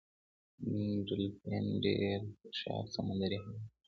ډولفین ډیر هوښیار سمندری حیوان دی